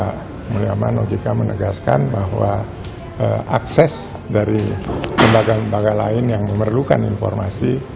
pak mulyaman ojk menegaskan bahwa akses dari lembaga lembaga lain yang memerlukan informasi